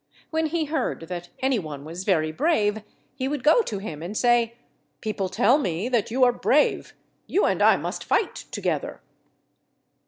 When he heard that any one was very brave, he would go to him, and say, "_People tell me that you are brave; you and I must fight together!